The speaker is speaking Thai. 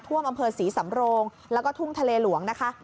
อำเภอศรีสำโรงแล้วก็ทุ่งทะเลหลวงนะคะ